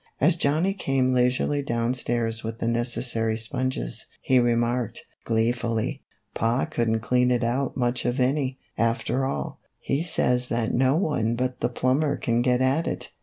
As Johnny came leisurely down stairs with the necessary sponges, he remarked, gleefully, " Pa couldn't clean it out much of any, after all; he says that no one but the plumber can get at it."